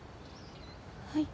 はい。